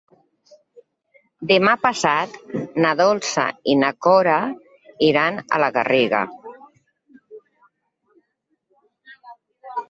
Demà passat na Dolça i na Cora iran a la Garriga.